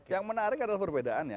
yang menarik adalah perbedaannya